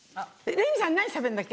「レミさん何しゃべるんだっけ？」